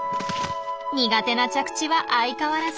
苦手な着地は相変わらず。